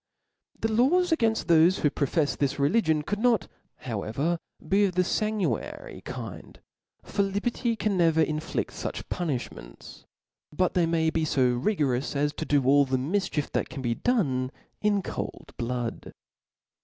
The laws againft thofe who profefs this religion could not however be of the fanguinary kind ; for liberty can never infliA fuch punilhmen^ : but . they tpay be fo rigorous as to do all the mifchief that can be done in cold blood.